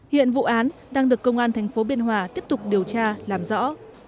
hiện vụ án đang được công an thành phố biên hòa tiếp tục điều tra làm rõ